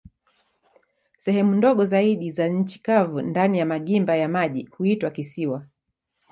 Sehemu ndogo zaidi za nchi kavu ndani ya magimba ya maji huitwa kisiwa.